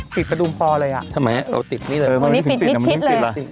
ติดประดูกพอเลยอ่ะทำไมเอาติดนี่เลยเออมันไม่ถึงติดมันไม่ถึงติดล่ะ